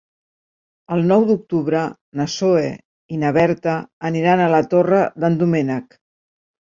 El nou d'octubre na Zoè i na Berta aniran a la Torre d'en Doménec.